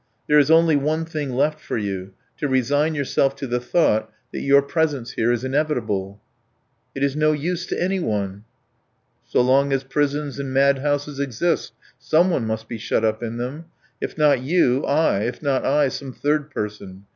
There is only one thing left for you: to resign yourself to the thought that your presence here is inevitable." "It is no use to anyone." "So long as prisons and madhouses exist someone must be shut up in them. If not you, I. If not I, some third person.